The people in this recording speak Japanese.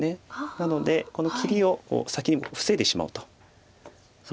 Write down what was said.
なのでこの切りを先に防いでしまおうという。